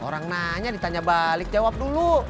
orang nanya ditanya balik jawab dulu